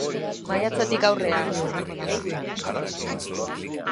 Maiatzetik aurrera izango da martxan.